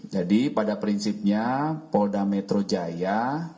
jadi pada prinsipnya polda metro jaya